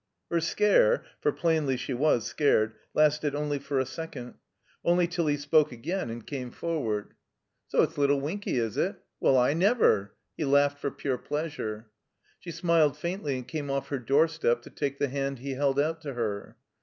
Her scare (for plainly she was scared) lasted only for a second; only till he spoke again and came forward, / THE COMBINED MAZE ''Soit'sUttleWinky, isit? WeU, I never!" He laughed for ptire pleastire. 1^ She smiled faintly and came off her doorstep to take the hand he held out to her.